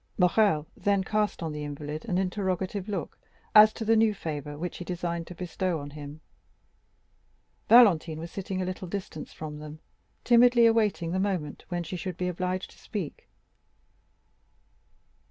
Morrel then cast on the invalid an interrogative look as to the new favor which he designed to bestow on him. Valentine was sitting at a little distance from them, timidly awaiting the moment when she should be obliged to speak.